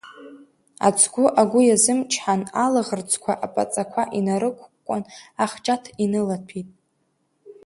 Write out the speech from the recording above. Ацгәы агәы иазымычҳан алаӷырӡқәа аԥаҵақәа инарықәыкәкән ахҷаҭ инылаҭәеит.